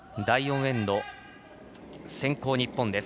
第４エンド、先攻は日本。